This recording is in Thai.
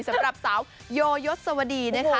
สำหรับสาวโยยศวดีนะคะ